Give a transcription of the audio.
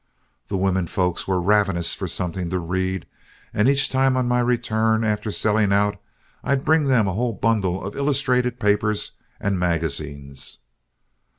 The women folks were ravenous for something to read, and each time on my return after selling out, I'd bring them a whole bundle of illustrated papers and magazines.